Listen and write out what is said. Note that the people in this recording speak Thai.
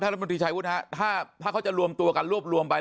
ขออีกนิดเดียวครับฮเขาจะรวมตัวกันรวบรวมไป